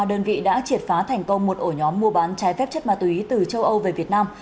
đơn vị đã triệt phá thành công một ổ nhóm mua bán trái phép chất ma túy từ châu âu về việt nam